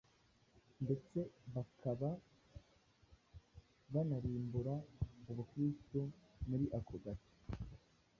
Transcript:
ndetse bakaba banarimbura Ubukristo muri ako gace.